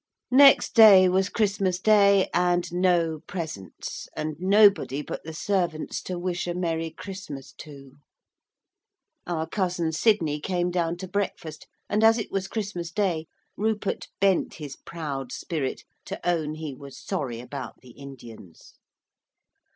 Next day was Christmas Day, and no presents, and nobody but the servants to wish a Merry Christmas to. Our cousin Sidney came down to breakfast, and as it was Christmas Day Rupert bent his proud spirit to own he was sorry about the Indians.